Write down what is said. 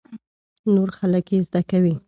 نور خلک يې زده کوي.